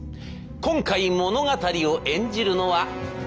今回物語を演じるのはこちら。